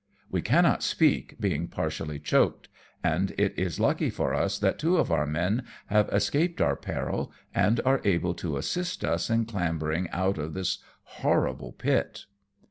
We cannot speak, being partially choked ; and it is lucky for us that two of our men have escaped our peril, and are able to assist us in clambering out of this horrible pit.